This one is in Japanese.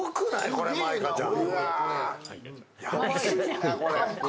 これ、舞香ちゃん。